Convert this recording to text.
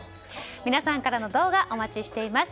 皆さんからの動画お待ちしています。